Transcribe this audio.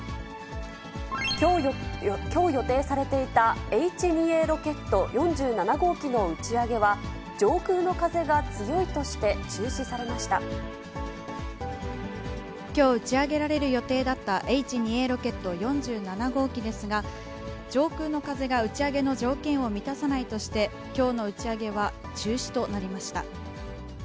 きょう予定されていたＨ２Ａロケット４７号機の打ち上げは、上空の風が強いとして中止されまきょう、打ち上げられる予定だったＨ２Ａロケット４７号機ですが、上空の風が打ち上げの条件を満たさないとして、きょうの打ち上げは中止となりました。